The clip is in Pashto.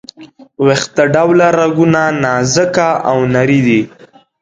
ویښته ډوله رګونه نازکه او نري دي.